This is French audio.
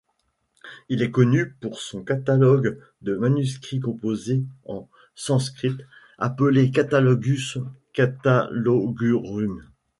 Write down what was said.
Il est connu pour son catalogue de manuscrits composés en sanskrit appelé Catalogus Catalogorum.